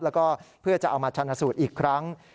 แล้วก็เพื่อจะเอามาชันสูตรอีกครั้ง